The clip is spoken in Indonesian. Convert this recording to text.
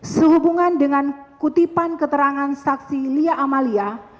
sehubungan dengan kutipan keterangan saksi lia amalia